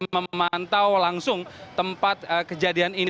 memantau langsung tempat kejadian ini